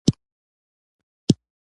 مشر دی ځکه احترام ورته لرم